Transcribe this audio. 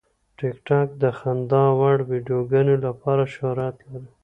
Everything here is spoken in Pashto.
ټیکټاک د خندا وړ ویډیوګانو لپاره شهرت لري.